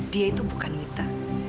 dia itu bukan mita